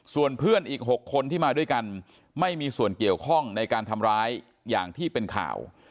ส่วนเพื่อนอีก๖คนที่มาด้วยกันไม่มีส่วนเกี่ยวข้องในการทำร้ายอย่างที่เป็นข่าว